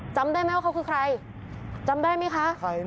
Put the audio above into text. จำได้ไหมว่าเขาคือใครจำได้ไหมคะ